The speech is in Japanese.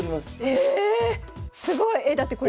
え⁉すごい！えだってこれ。